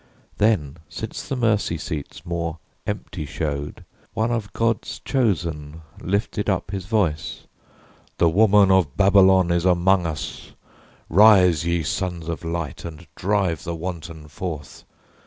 Then, since the mercy seats more empty showed, One of God's chosen lifted up his voice: "The woman of Babylon is among us; rise Ye sons of light and drive the wanton forth!"